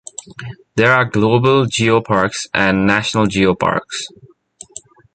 There are Global Geoparks and National Geoparks.